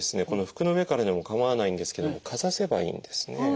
この服の上からでも構わないんですけどもかざせばいいんですね。